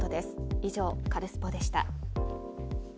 以上、カルスポっ！でした。